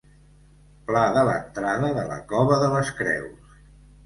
Pla de l'entrada de la Cova de les Creus.